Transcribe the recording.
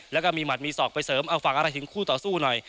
แล้วก็มีหัดมีศอกไปเสริมเอาฝากอะไรถึงคู่ต่อสู้หน่อย